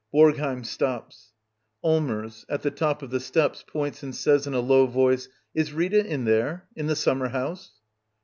Borgheim stops.] Allmers. [At the top of the steps, points and says in a low voice] Is Rita in there — in the summer house?